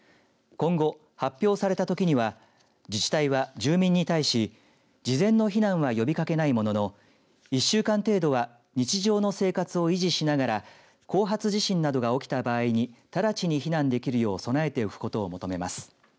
今後、発表されたときには自治体は住民に対し事前の避難は呼びかけないものの１週間程度は日常の生活を維持しながら後発地震などが起きた場合に直ちに避難できるよう備えておくことを求めます。